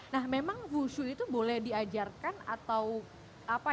nah memang wushu itu boleh diajarkan atau apa ya